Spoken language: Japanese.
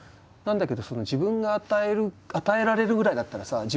なんだけど自分が与えられるぐらいだったらさ